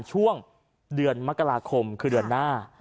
ช่วงเดือนมกราคมคือเดือนหน้า